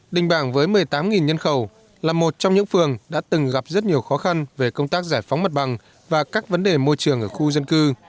đình bảng với một mươi tám nhân khẩu là một trong những phường đã từng gặp rất nhiều khó khăn về công tác giải phóng mặt bằng và các vấn đề môi trường ở khu dân cư